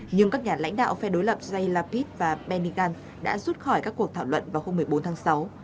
nhưng các nhà lãnh đạo phe đối lập jay lapid và pentagon đã rút khỏi các cuộc thảo luận vào hôm một mươi bốn tháng sáu